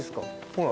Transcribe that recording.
ほら。